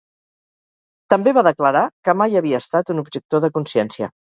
També va declarar que mai havia estat un objector de consciència.